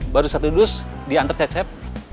baru satu dus diantar cecep